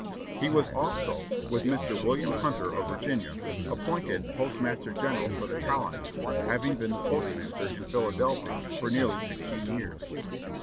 He was also, with Mr. William Hunter of Virginia, appointed postmaster general for the colonies, having been the postmaster in Philadelphia for nearly sixteen years.